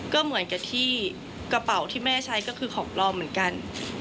ก็เหมือนกับที่กระเป๋าที่แม่ใช้ก็คือของปลอมเหมือนกัน